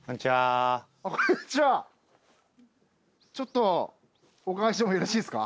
ちょっとお伺いしてもよろしいですか？